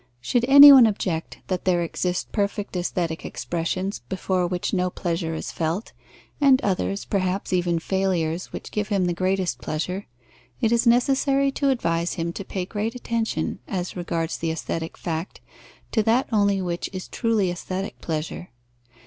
Should any one object that there exist perfect aesthetic expressions before which no pleasure is felt, and others, perhaps even failures, which give him the greatest pleasure, it is necessary to advise him to pay great attention, as regards the aesthetic fact, to that only which is truly aesthetic pleasure.